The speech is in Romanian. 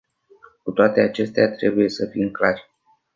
Cu toate acestea, trebuie să fim clari.